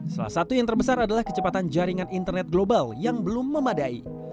salah satu yang terbesar adalah kecepatan jaringan internet global yang belum memadai